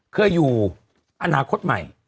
เคยอยู่อนาคตใหม่